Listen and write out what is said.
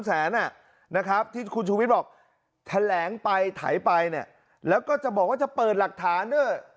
ตีนี้คุณชูวิตบอกแถลงไปถ่ายไปนะแล้วก็จะบอกว่าจะเปิดหลักฐานเถอะ